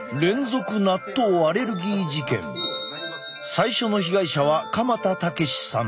最初の被害者は鎌田武さん。